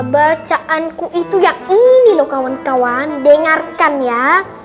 bacaanku itu yang ini loh kawan kawan dengarkan ya